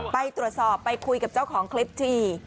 ไปตรวจสอบไปคุยกับเจ้าของคลิปที